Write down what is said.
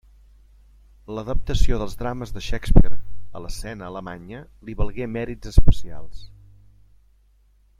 L'adaptació dels drames de Shakespeare a l'escena alemanya li valgué mèrits especials.